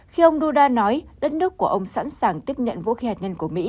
khi ông duda nói đất nước của ông sẵn sàng tiếp nhận vũ khí hạt nhân